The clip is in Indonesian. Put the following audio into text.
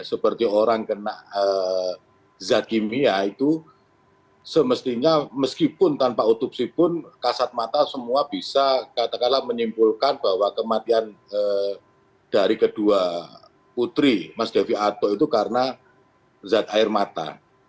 seperti orang kena zat kimia itu semestinya meskipun tanpa otopsi pun kasat mata semua bisa katakanlah menyimpulkan bahwa kematian dari kedua putri mas devi ato itu karena zat air mata